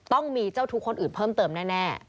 ต้องมีเจ้าทุกข์คนอื่นเพิ่มเติมแน่